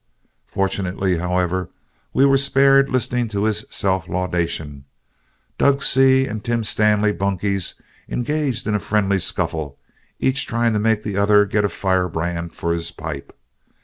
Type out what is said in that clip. Fortunately, however, we were spared listening to his self laudation. Dorg Seay and Tim Stanley, bunkies, engaged in a friendly scuffle, each trying to make the other get a firebrand for his pipe.